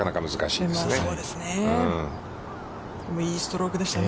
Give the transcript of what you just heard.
いいストロークでしたね。